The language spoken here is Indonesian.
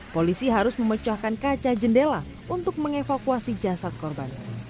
polisi harus memecahkan kaca jendela untuk mengevakuasi jasad korban